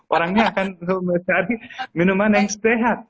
orangnya akan mencari minuman yang sehat